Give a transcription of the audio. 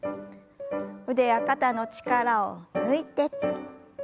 腕や肩の力を抜いて。